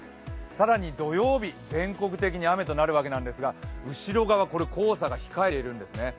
更に土曜日、全国的に雨となるわけなんですが、後ろ側、黄砂が控えているんですね